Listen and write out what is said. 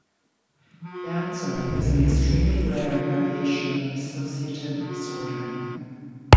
Ganser is an extremely rare variation of dissociative disorder.